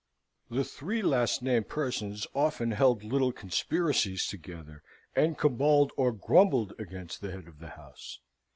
The three last named persons often held little conspiracies together, and caballed or grumbled against the head of the house.